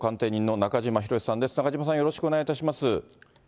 中島さん、よろしくお願いいたします。